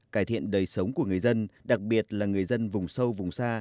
cải thiện đời sống của người dân đặc biệt là người dân vùng sâu vùng xa